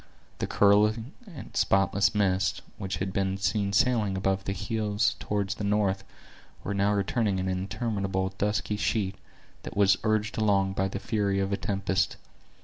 The curling and spotless mists, which had been seen sailing above the hills toward the north, were now returning in an interminable dusky sheet, that was urged along by the fury of a tempest.